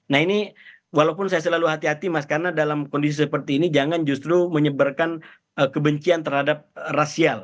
nah ini walaupun saya selalu hati hati mas karena dalam kondisi seperti ini jangan justru menyebarkan kebencian terhadap rasial